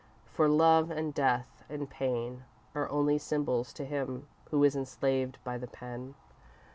For Love, and Death, and Pain are only symbols to him who is enslaved by the pen.